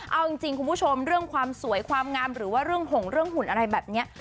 เอาจริงคุณผู้ชมเรื่องความสวยความงามหรือว่าเรื่องหงเรื่องหุ่นอะไรแบบนี้